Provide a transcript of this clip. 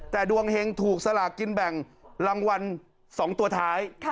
แต่ดวงเฮงถูกสลากกินแบ่งรางวัล๒ตัวท้าย